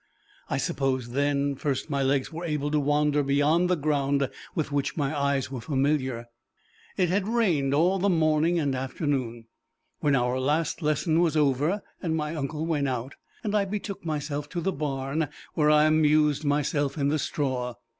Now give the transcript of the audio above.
I suppose then first my legs were able to wander beyond the ground with which my eyes were familiar. It had rained all the morning and afternoon. When our last lesson was over, my uncle went out, and I betook myself to the barn, where I amused myself in the straw.